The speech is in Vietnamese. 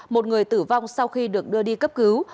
một người tử vong sau khi được đưa đi cấp cứu